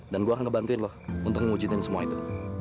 dan gue akan ngebantuin lu untuk ngewujudin semua itu